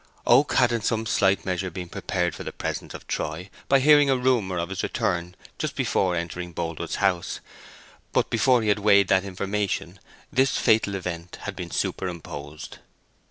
Oak had in some slight measure been prepared for the presence of Troy by hearing a rumour of his return just before entering Boldwood's house; but before he had weighed that information, this fatal event had been superimposed.